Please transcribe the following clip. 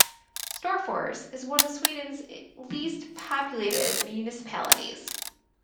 Storfors is one of Sweden's least populated municipalities.